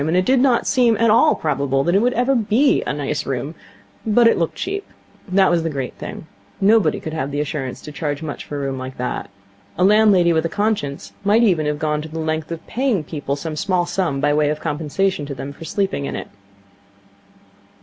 And it did not seem at all probable that it ever would be a nice room. But it looked cheap. That was the great thing. Nobody could have the assurance to charge much for a room like that. A landlady with a conscience might even have gone to the length of paying people some small sum by way of compensation to them for sleeping in it.